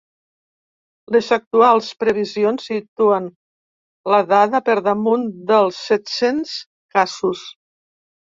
Les actuals previsions situen la dada per damunt dels set-cents casos.